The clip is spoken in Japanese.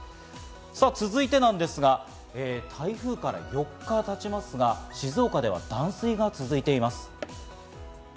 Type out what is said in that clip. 続いてですが、台風から４日経ちますが静岡では断水が続いています。